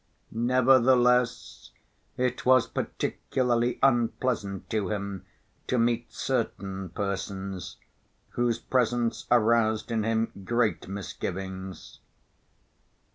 Nevertheless, it was particularly unpleasant to him to meet certain persons, whose presence aroused in him great misgivings.